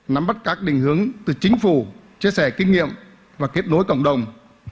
nắm bắt các đình hướng từ chính phủ chia sẻ kinh nghiệm và kết nối cộng đồng